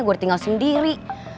gue tinggal sendiri